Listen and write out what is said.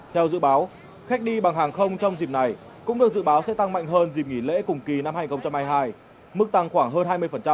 theo dự báo khách đi bằng hàng không trong dịp này cũng được dự báo sẽ tăng mạnh hơn dịp nghỉ lễ cùng kỳ năm hai nghìn hai mươi hai mức tăng khoảng hơn hai mươi